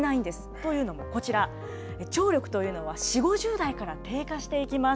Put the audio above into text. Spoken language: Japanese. というのもこちら、聴力というのは４、５０代から低下していきます。